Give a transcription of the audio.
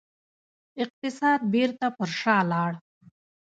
اقتصاد بیرته پر شا لاړ.